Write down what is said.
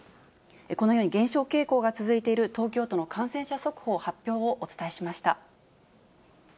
このように、減少傾向が続いている東京都の感染者速報発表をお伝えしました。